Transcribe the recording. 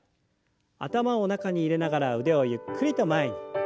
頭を中に入れながら腕をゆっくりと前に。